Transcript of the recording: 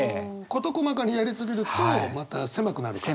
事細かにやり過ぎるとまた狭くなるから。